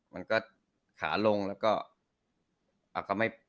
มันก็ขาลงแล้วก็ไม่